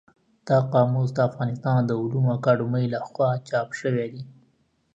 دا قاموس د افغانستان د علومو اکاډمۍ له خوا چاپ شوی دی.